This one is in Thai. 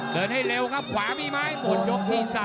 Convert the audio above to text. เดินให้เร็วครับขวามีไหมหมดยกที่๓